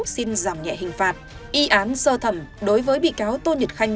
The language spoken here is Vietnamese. xin giảm nhẹ hình phạt y án sơ thẩm đối với bị cáo tô nhật khanh